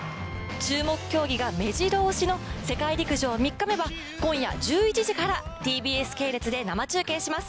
注目競技が目白押しの世界陸上３日目は今夜１１時からＴＢＳ系列で生中継します。